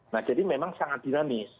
nah jadi memang sangat dinamis